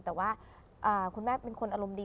แต่ว่าคุณแม่เป็นคนอารมณ์ดี